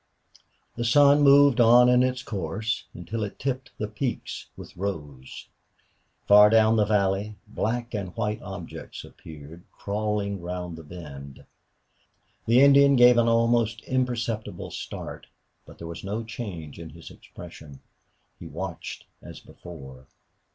The sun moved on in its course until it tipped the peaks with rose. Far down the valley black and white objects appeared, crawling round the bend. The Indian gave an almost imperceptible start, but there was no change in his expression. He watched as before.